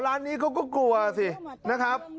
หลานสาวร้านนี้ก็กลัวสินะครับ